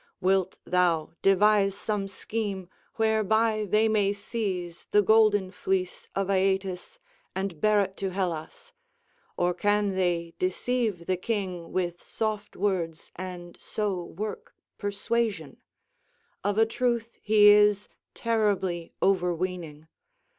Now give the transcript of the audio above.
Wilt thou devise some scheme whereby they may seize the golden fleece of Aeetes and bear it to Hellas, or can they deceive the king with soft words and so work persuasion? Of a truth he is terribly overweening.